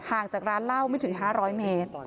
งจากร้านเหล้าไม่ถึง๕๐๐เมตร